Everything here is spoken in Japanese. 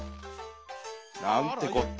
「なんてこったぁ。